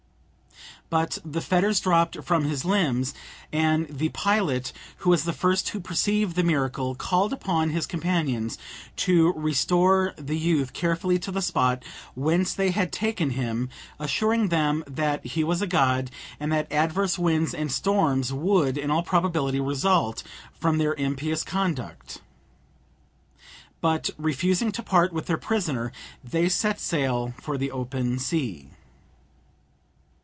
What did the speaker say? But the fetters dropped from his limbs, and the pilot, who was the first to perceive the miracle, called upon his companions to restore the youth carefully to the spot whence they had taken him, assuring them that he was a god, and that adverse winds and storms would, in all probability, result from their impious conduct. But, refusing to part with their prisoner, they set sail for the open sea.